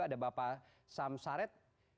ada bapak sam saret